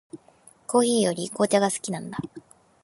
コーヒーより紅茶が好きなんだ。